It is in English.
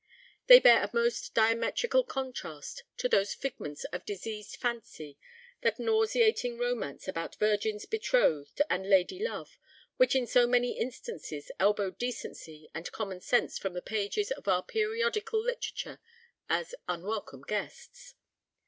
They bear a most diametrical contrast to those figments of diseased fancy, that nauseating romance about virgins betrothed and lady love, which in so many instances elbow decency and common sense from the pages of our periodical literature as "unwelcome guests."